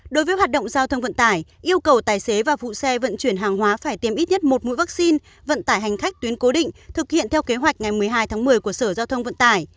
đối với hoạt động giao thông vận tải yêu cầu tài xế và vụ xe vận chuyển hàng hóa phải tiêm ít nhất một mũi vaccine vận tải hành khách tuyến cố định thực hiện theo kế hoạch ngày một mươi hai tháng một mươi của sở giao thông vận tải